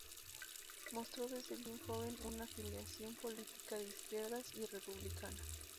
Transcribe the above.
Mostró desde bien joven una filiación política de izquierdas y republicana.